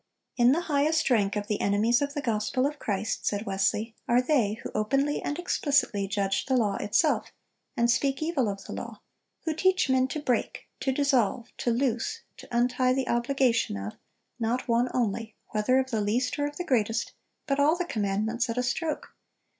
"In the highest rank of the enemies of the gospel of Christ," said Wesley, "are they who openly and explicitly 'judge the law' itself, and 'speak evil of the law;' who teach men to break (to dissolve, to loose, to untie the obligation of) not one only, whether of the least or of the greatest, but all the commandments at a stroke....